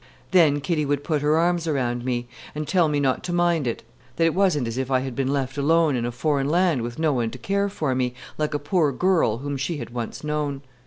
Then Kitty would put her arms around me, and tell me not to mind it that it wasn't as if I had been left alone in a foreign land with no one to care for me, like a poor girl whom she had once known.